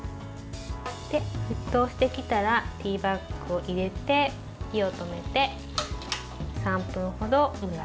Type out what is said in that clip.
沸騰してきたらティーバッグを入れて火を止めて３分程、蒸らします。